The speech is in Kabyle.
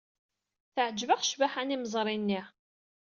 Teɛjeb-aɣ ccbaḥa n yimeẓri-nni.